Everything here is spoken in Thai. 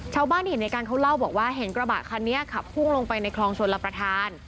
ชาวบ้านที่เห็นในการเขาเล่าบอกว่าเห็นกระบะคันนี้ขับพุ่งลงไปในคลองชนรับประทาน